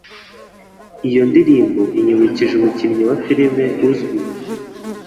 Iyo ndirimbo inyibukije umukinnyi wa firime uzwi.